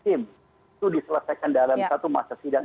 itu diselesaikan dalam satu masa sidang